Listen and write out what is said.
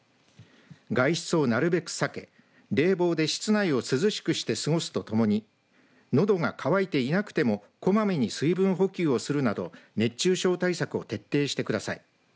外出をなるべく避け冷房で室内を涼しくして過ごすとともにのどが乾いていなくてもこまめに水分補給をするなど熱中症対策を徹底してください。